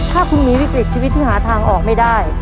ถ้าคุณมีวิกฤตชีวิตที่หาทางออกไม่ได้